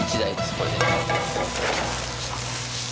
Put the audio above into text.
これで。